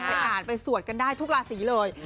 ไปอ่านไปสวดกันได้ทุกราศีเลย